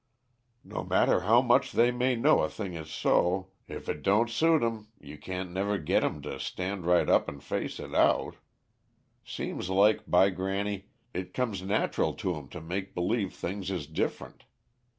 "No matter how much they may know a thing is so, if it don't suit 'em you can't never git 'em to stand right up and face it out seems like, by granny, it comes natural to 'em to make believe things is different.